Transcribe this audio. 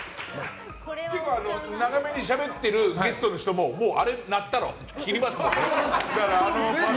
結構、長めにしゃべってるゲストの人ももうあれ鳴ったら切りますもんね。